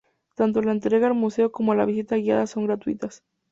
Tanto la entrada al museo como la visita guiada son gratuitas.